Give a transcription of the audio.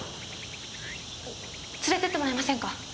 連れてってもらえませんか？